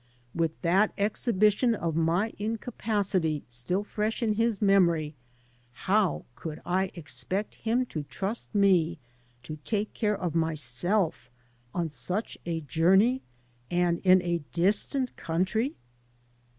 With that exhibition of my incapacity still fresh in his memory, how could I expect him to trust me to take care of myself on such a journey and in a distant country?